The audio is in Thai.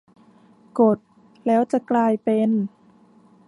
กด แล้วจะกลายเป็น